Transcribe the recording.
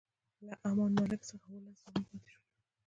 له امان الملک څخه اووه لس زامن پاتې شول.